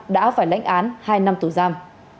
đã phải lãnh án hai năm tù giam